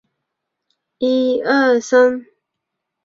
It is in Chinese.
祖父曹安善。